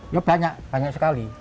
ya banyak banyak sekali